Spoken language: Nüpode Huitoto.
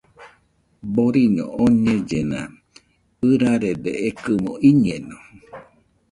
Boriño oñellena, ɨrarede ekɨmo iñeno